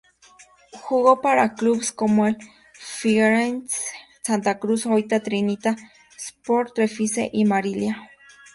Jugó para clubes como el Figueirense, Santa Cruz, Oita Trinita, Sport Recife y Marília.